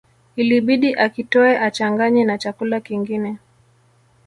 Ilibidi akitoe achanganye na chakula kingine